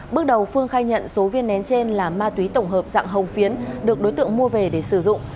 bước đầu phương khai nhận số viên nén trên là ma túy tổng hợp dạng hồng phiến được đối tượng mua về để sử dụng